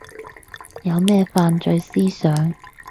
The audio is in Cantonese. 有咩犯罪思想